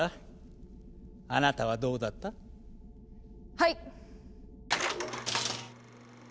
はい。